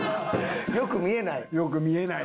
良く見えない？